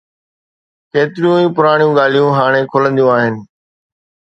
ڪيتريون ئي پراڻيون ڳالهيون هاڻي کلنديون آهن.